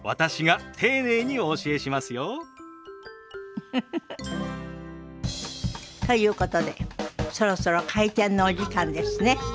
ウフフフ。ということでそろそろ開店のお時間ですね。